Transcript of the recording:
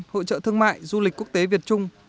hội trợ thương mại du lịch quốc tế việt trung